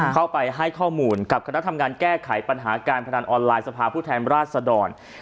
เข้าไปให้ข้อมูลกับคณะทำงานแก้ไขปัญหาการพนันออนไลน์สภาพผู้แทนราชดร